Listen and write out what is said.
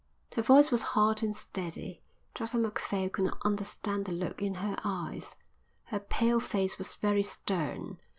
Her voice was hard and steady. Dr Macphail could not understand the look in her eyes. Her pale face was very stern.